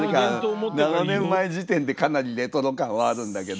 ７年前時点でかなりレトロ感はあるんだけど。